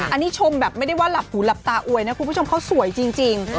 อันนี้ชมแบบไม่ได้ว่าหลับหูหลับตาอวยนะคุณผู้ชมเขาสวยจริง